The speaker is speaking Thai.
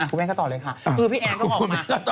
คุณแม่งก็ตอบเลยค่ะ